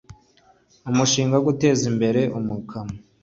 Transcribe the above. umushinga wo guteza imbere umukamo